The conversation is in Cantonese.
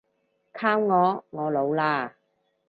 靠我，我老喇